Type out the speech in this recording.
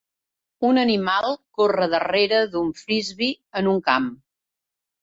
Un animal corre darrere d'un Frisbee en un camp.